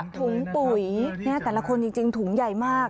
ถุงปุ๋ยแต่ละคนจริงถุงใหญ่มาก